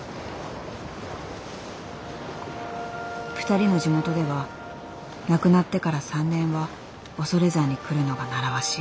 ２人の地元では亡くなってから３年は恐山に来るのが習わし。